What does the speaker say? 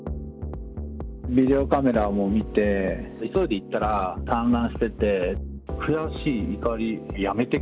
ビデオカメラを見て、急いで行ったら、散乱してて。